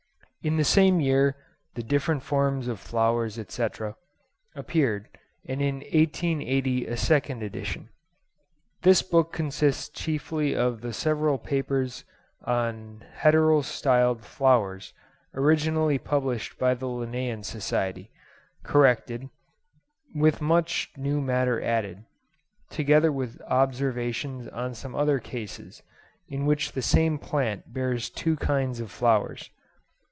In this same year 'The Different Forms of Flowers, etc.,' appeared, and in 1880 a second edition. This book consists chiefly of the several papers on Heterostyled flowers originally published by the Linnean Society, corrected, with much new matter added, together with observations on some other cases in which the same plant bears two kinds of flowers.